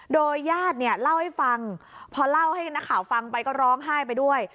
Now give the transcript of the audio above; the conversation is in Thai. โดยญาติเนี่ยเล่าให้ฟังพอเล่าให้นักข่าวฟังไปก็ร้องไห้ไปด้วย